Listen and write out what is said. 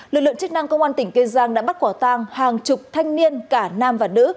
lực lượng chức năng công an tỉnh kiên giang đã bắt quả tang hàng chục thanh niên cả nam và nữ